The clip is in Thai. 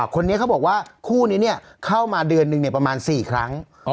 คนนี้เขาบอกว่าคู่นี้เข้ามาเดือนหนึ่งประมาณ๔ครั้ง